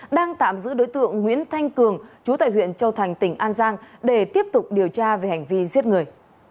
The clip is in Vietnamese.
đang tạm giữ đối tượng nguyễn thanh cường chú tại huyện châu thành tỉnh an giang để tiếp tục điều tra về hành vi giết người